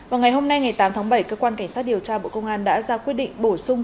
vào ngày hôm nay ngày tám tháng bảy cơ quan cảnh sát điều tra bộ công an đã ra quyết định bổ sung